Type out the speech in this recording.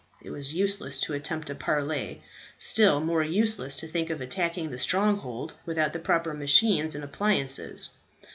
It was useless to attempt a parley; still more useless to think of attacking the stronghold without the proper machines and appliances.